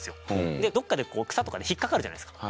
でどこかで草とかに引っかかるじゃないですか。